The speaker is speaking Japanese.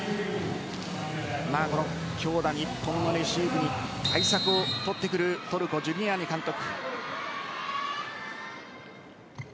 強打、日本のレシーブに対策を取ってくるトルコ・ジュリアーニ監督。